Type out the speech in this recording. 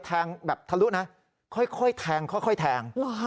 แบบทะลุนะค่อยแทงค่อยแทง